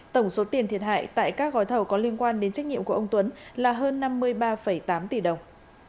tổng số tiền thiệt hại tại các gói thầu có liên quan đến trách nhiệm của ông tuấn là hơn năm mươi ba tám tỷ đồng